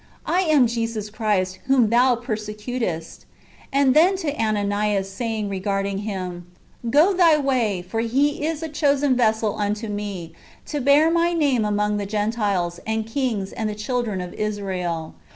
I am Jesus Christ, whom thou persecutest ;"^ and then to Ananias, saying regarding him: '^ Go thy way ; for he is a chosen vessel unto me, to bear my name among the Gentiles, and kings, and the children of Israel.